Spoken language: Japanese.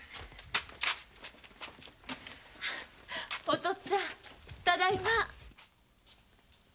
お父っつぁんただいま。